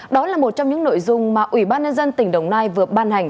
đó là một trong những nội dung mà ủy ban nhân dân tỉnh đồng nai vừa ban hành